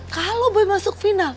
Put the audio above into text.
kalau boy masuk final